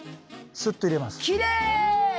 スッと入れます。